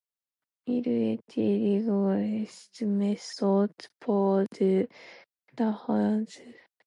Il a étudié également des méthodes pour des datations géologiques via la désintégration radioactive.